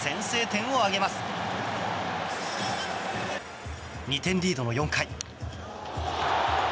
２点リードの４回。